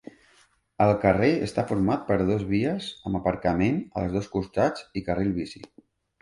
El carrer està format per dos vies amb aparcament als dos costats i carrils bici.